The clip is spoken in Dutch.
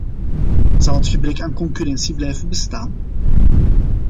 Zal het gebrek aan concurrentie blijven bestaan?